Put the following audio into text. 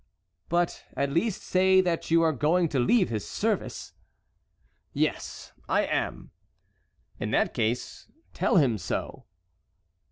"But, at least, say that you are going to leave his service!" "Yes, I am." "In that case, tell him so."